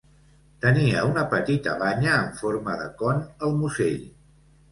Tenia una petita banya en forma de con al musell.